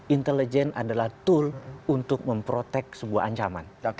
intelijen adalah tool untuk memprotek sebuah ancaman